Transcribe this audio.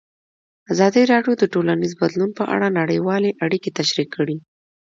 ازادي راډیو د ټولنیز بدلون په اړه نړیوالې اړیکې تشریح کړي.